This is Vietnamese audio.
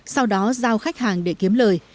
sau đó giao khách hàng để kiếm lời